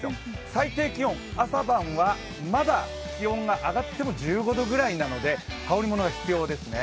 最低気温朝晩はまだ気温が上がっても１５度ぐらいなので羽織ものが必要ですね。